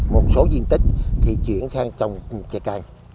một số diện tích thì chuyển sang trồng trà cây